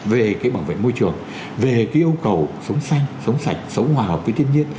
về cái bảo vệ môi trường về cái yêu cầu sống xanh sống sạch sống hòa hợp với thiên nhiên